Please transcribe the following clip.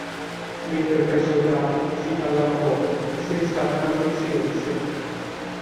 Mentre tra i soldati si parlava poco e si restava tanto in silenzio.